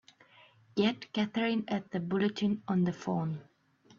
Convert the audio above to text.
Get Katherine at the Bulletin on the phone!